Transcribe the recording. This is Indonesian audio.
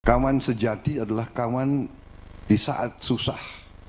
kawan sejati adalah kawan di saat susah